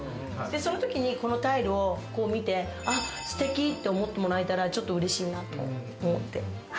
そのときにこのタイルを見てステキ！って思ってもらえたらちょっとうれしいなって思って。